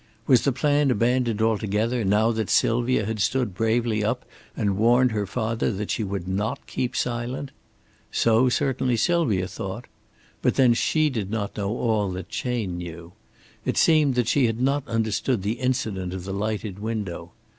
Was the plan abandoned altogether, now that Sylvia had stood bravely up and warned her father that she would not keep silent? So certainly Sylvia thought. But then she did not know all that Chayne knew. It seemed that she had not understood the incident of the lighted window.